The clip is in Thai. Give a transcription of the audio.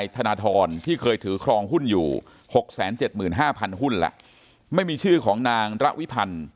เป็น๒๕๐๐๐หุ้นแล้วไม่มีชื่อของนางระวิพันธุ์